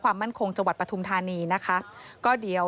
แล้วตอนนี้ศาลให้ประกันตัวออกมาแล้ว